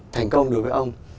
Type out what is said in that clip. thành công đối với ông